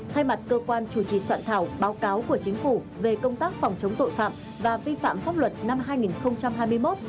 thay mặt cơ quan chủ trì soạn thảo báo cáo của chính phủ về công tác phòng chống tội phạm và vi phạm pháp luật năm hai nghìn hai mươi một